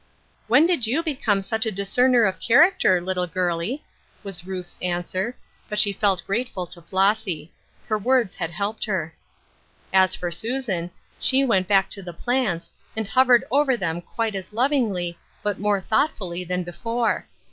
" When did you become such a discerner of character, little girlie ?" was Ruth's answer, but 118 Ruth Urskine'a Crosses, she felt grateful to Flossy. The words had helped her. As for Susan, she went back to the plants, and hovered over them quite as lovingly, but more thoughtfully than before.